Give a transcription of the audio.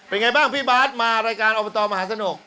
เป็นไงบ้างพี่บ๊าทมารายการพบน้ำโขงมีมาสนุก